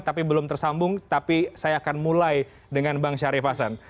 tapi belum tersambung tapi saya akan mulai dengan bang syarif hasan